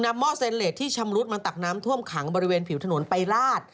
หม้อเซเลสที่ชำรุดมาตักน้ำท่วมขังบริเวณผิวถนนไปลาด